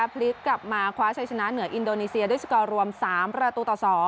พลิกกลับมาคว้าชัยชนะเหนืออินโดนีเซียด้วยสกอร์รวม๓ประตูต่อ๒